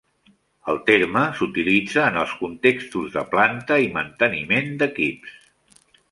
El terme s'utilitza en els contextos de planta i manteniment d'equips.